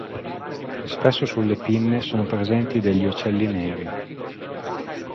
Spesso sulle pinne sono presenti degli ocelli neri.